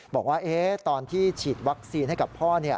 บอกว่าตอนที่ฉีดวัคซีนให้กับพ่อ